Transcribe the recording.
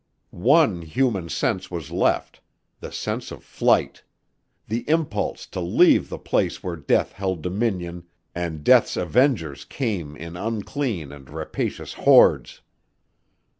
One human sense was left: the sense of flight: the impulse to leave the place where Death held dominion and Death's avengers came in unclean and rapacious hordes.